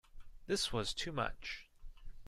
This was too much.